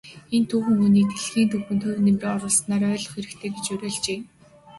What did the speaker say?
Энэ түүхэн хүнийг дэлхийн түүхэнд хувь нэмрээ оруулснаар нь ойлгох хэрэгтэй гэж уриалжээ.